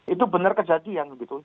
itu bener kejadian gitu